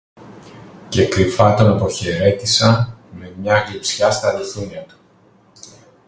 Και κρυφά τον αποχαιρέτησα, με μια γλειψιά στα ρουθούνια του